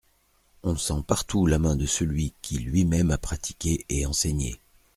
On sent partout la main de celui qui lui-même a pratiqué et enseigné.